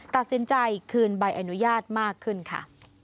ตัดสินใจคืนใบอนุญาตมากขึ้นค่ะ